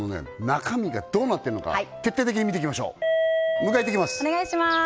中身がどうなってるのか徹底的に見ていきましょう迎えいってきます